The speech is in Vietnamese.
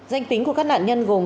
danh tính của các nạn nhân gồm